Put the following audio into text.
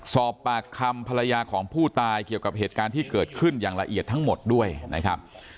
สอบปากคำภรรยาของผู้ตายเกี่ยวกับเหตุการณ์ที่เกิดขึ้นอย่างละเอียดทั้งหมดด้วยนะครับ